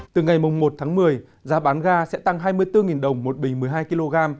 từ ngày một tháng một mươi giá bán ga sẽ tăng hai mươi bốn đồng một bình một mươi hai kg